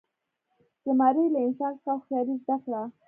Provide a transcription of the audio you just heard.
زمري له انسان څخه هوښیاري زده کړه.